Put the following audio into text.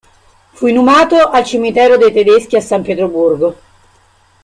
Fu inumato al cimitero dei tedeschi a San Pietroburgo.